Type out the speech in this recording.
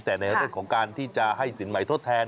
แต่ในเรื่องของการที่จะให้สินใหม่ทดแทน